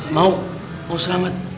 mau mau selamat